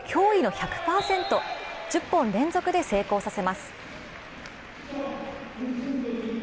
１０本連続で成功させます。